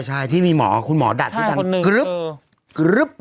ใช่ที่มีหมอคุณหมอดัดทุกทาง